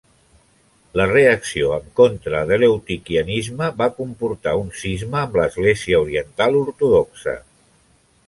La reacció en contra de l'eutiquianisme va comportar un cisma amb l'església oriental ortodoxa.